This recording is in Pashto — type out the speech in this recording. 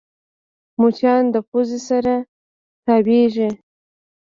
مچان د پوزې سره تاوېږي